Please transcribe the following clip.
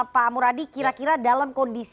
pak muradi kira kira dalam kondisi